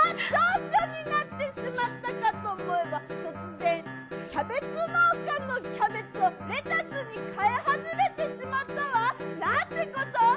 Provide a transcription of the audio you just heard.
ちょうちょになってしまったかと思えば、突然、キャベツ農家のキャベツをレタスに変え始めてしまったわ。なんてこと！